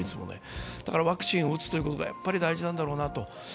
ワクチンを打つということがやっぱり大事なんだろうなと。